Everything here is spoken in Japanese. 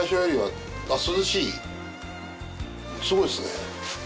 すごいっすね。